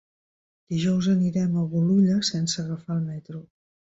Dijous anirem a Bolulla sense agafar el metro.